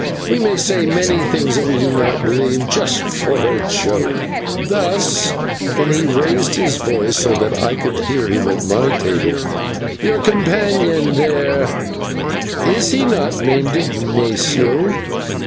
We say many things that we do not believe just for a joke; thus," and he raised his voice so that I could hear him at my table, "your companion there is he not named Ignatio?